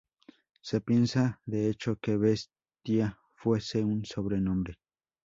Se piensa de hecho que Bestia fuese su sobrenombre.